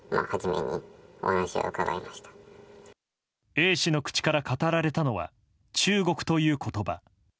Ａ氏の口から語られたのは中国という言葉。